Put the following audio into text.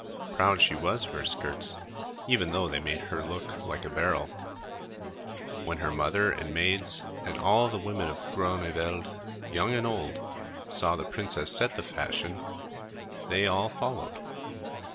Proud she was of her skirts, even though they made her look like a barrel. When her mother, and maids, and all the women of Groen é veld, young and old, saw the princess set the fashion, they all followed.